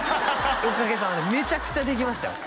おかげさまでめちゃくちゃできましたよ